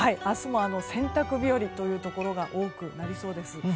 明日も洗濯日和というところが多くなりそうです。